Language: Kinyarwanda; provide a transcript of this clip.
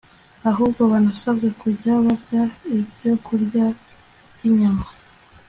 ahubwo banasabwe kujya barya ibyokurya by'inyama